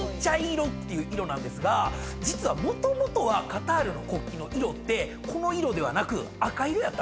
ていう色なんですが実はもともとはカタールの国旗の色ってこの色ではなく赤色やったんですよ。